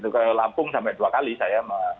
ke lampung sampai dua kali saya